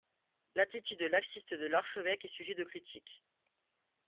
L'attitude laxiste de l’archevêque est sujet de critique.